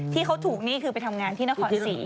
ที่เขาถูกหนี้คือไปทำงานที่นครศรี